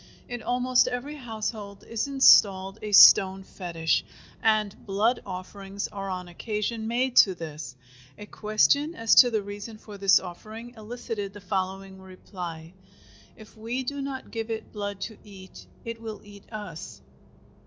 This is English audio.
In almost every household is installed a stone fetish, and blood offerings are on occasion made to this. A question as to the reason for this offering elicited the following reply: "If we do not give it blood to eat it will eat us."